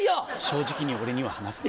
正直に俺には話せ。